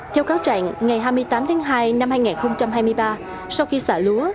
theo cáo trạng ngày hai mươi tám tháng hai năm hai nghìn hai mươi ba sau khi xả lúa